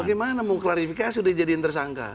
bagaimana mau klarifikasi dijadiin tersangka